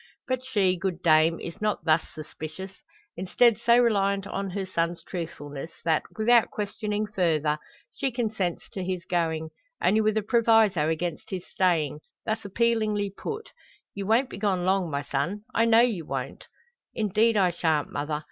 But she, good dame, is not thus suspicious, instead so reliant on her son's truthfulness, that, without questioning further, she consents to his going, only with a proviso against his staying, thus appealingly put "Ye won't be gone long, my son! I know ye won't!" "Indeed I shan't, mother.